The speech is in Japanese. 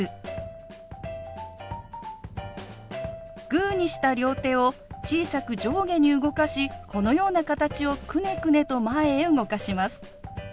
グーにした両手を小さく上下に動かしこのような形をくねくねと前へ動かします。